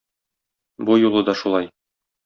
Бу юлы да шулай.